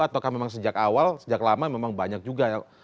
atau memang sejak awal sejak lama memang banyak juga